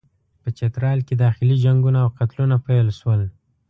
په چترال کې داخلي جنګونه او قتلونه پیل شول.